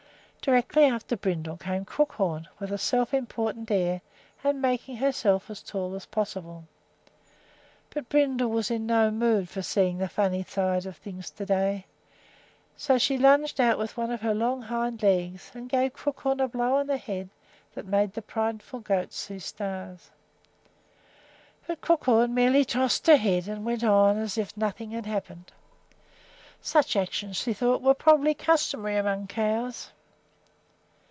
Directly after Brindle came Crookhorn, with a self important air and making herself as tall as possible. But Brindle was in no mood for seeing the funny side of things to day, so she lunged out with one of her long hind legs and gave Crookhorn a blow on the head that made the prideful goat see stars. But Crookhorn merely tossed her head and went on as if nothing had happened. Such actions, she thought, were probably customary among cows.